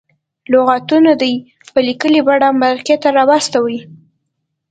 لغتونه دې په لیکلې بڼه مرکې ته راواستوي.